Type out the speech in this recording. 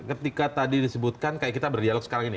ketika tadi disebutkan kayak kita berdialog sekarang ini